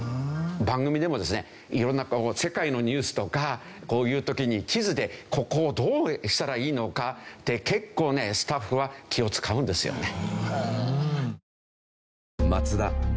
番組でもですね色んな世界のニュースとかこういう時に地図でここをどうしたらいいのかって結構ねスタッフは気を使うんですよね。